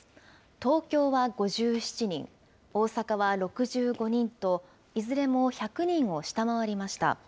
東京は５７人、大阪は６５人と、いずれも１００人を下回りました。